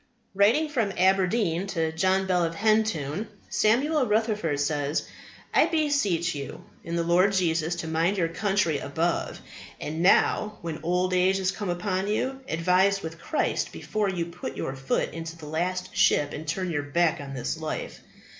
Writing from Aberdeen to John Bell of Hentoun, Samuel Rutherford says: "I beseech you, in the Lord Jesus, to mind your country above; and now, when old age is come upon you, advise with Christ before you put your foot into the last ship and turn your back on this life.